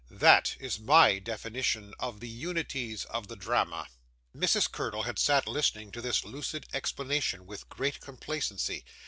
'That is my definition of the unities of the drama.' Mrs. Curdle had sat listening to this lucid explanation with great complacency.